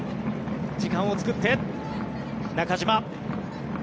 時間を作って中島。